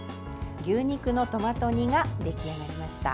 牛肉のトマト煮が出来上がりました。